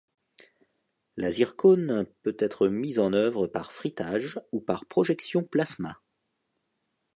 La zircone peut être mise en œuvre par frittage ou par projection plasma.